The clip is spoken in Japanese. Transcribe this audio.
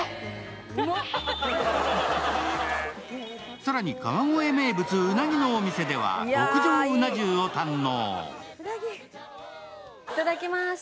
更に川越名物うなぎのお店では特上うな重を堪能。